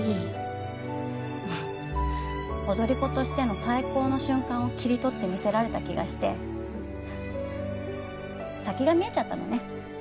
踊り子としての最高の瞬間を切り取って見せられた気がして先が見えちゃったのね。